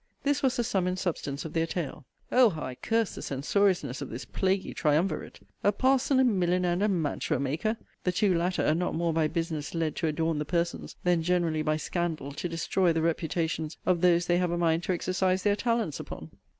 This was the sum and substance of their tale. O how I cursed the censoriousness of this plaguy triumvirate! A parson, a milliner, and a mantua maker! The two latter, not more by business led to adorn the persons, than generally by scandal to destroy the reputations, of those they have a mind to exercise their talents upon!